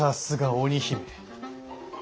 「鬼姫」？